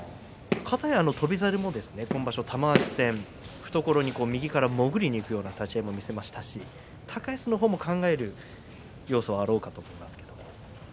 翔猿は玉鷲戦懐に右から潜りにいくような立ち合いを見せましたし高安の方も考える要素はあろうかと思いますが。